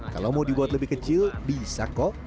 kalau mau dibuat lebih kecil bisa kok